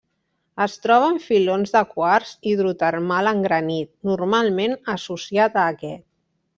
Es troba en filons de quars hidrotermal en granit, normalment associat a aquest.